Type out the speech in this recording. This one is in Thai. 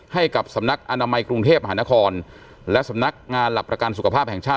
ให้กับสำนักอนามัยกรุงเทพมหานครและสำนักงานหลักประกันสุขภาพแห่งชาติ